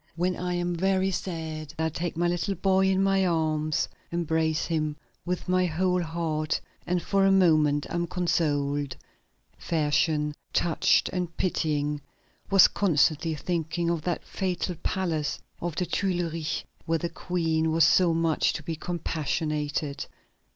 When I am very sad, I take my little boy in my arms, embrace him with my whole heart, and for a moment am consoled." Fersen, touched and pitying, was constantly thinking of that fatal palace of the Tuileries where the Queen was so much to be compassionated.